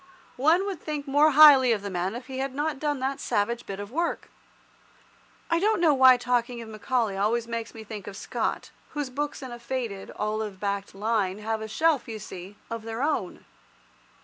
One would think more highly of the man if he had not done that savage bit of work. I don't know why talking of Macaulay always makes me think of Scott, whose books in a faded, olive backed line, have a shelf, you see, of their own.